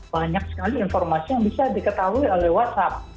banyak sekali informasi yang bisa diketahui oleh whatsapp